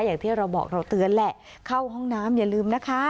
อย่างที่เราบอกเราเตือนแหละเข้าห้องน้ำอย่าลืมนะคะ